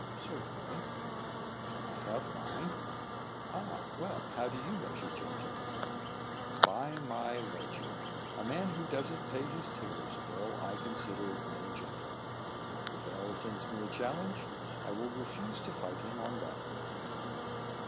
"Certainly." "I have mine." "Ah! Well, how do you measure gentility?" "By my ledger. A man who doesn't pay his tailor's bill, I consider no gentleman. If L sends me a challenge, I will refuse to fight him on that ground."